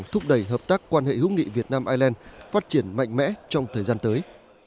hợp tác quan hệ hữu nghị việt nam ireland phát triển mạnh mẽ trong thời gian tới